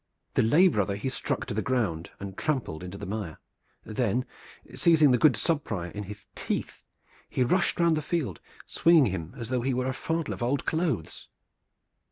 The lay brother he struck to the ground and trampled into the mire. Then, seizing the good subprior in his teeth, he rushed round the field, swinging him as though he were a fardel of old clothes.